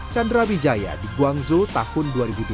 chandra wijaya di guangzhou tahun dua ribu dua